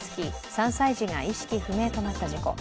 ３歳児が意識不明となった事故。